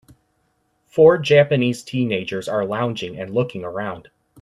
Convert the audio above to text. Four Japanese teenagers are lounging and looking around.